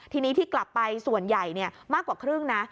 ทีนี้ที่กลับไปส่วนใหญ่มากกว่าครึ่งนะ